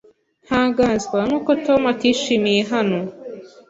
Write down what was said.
Ntangazwa nuko Tom atishimiye hano.